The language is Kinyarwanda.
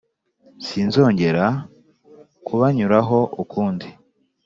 sinzongera kubanyuraho ukundi